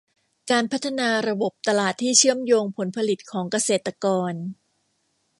การพัฒนาระบบตลาดที่เชื่อมโยงผลผลิตของเกษตรกร